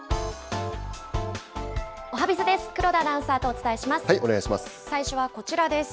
おはＢｉｚです。